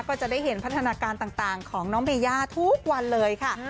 ก็จะได้เห็นพัฒนาการต่างของน้องเมย่าทุกวันเลยค่ะ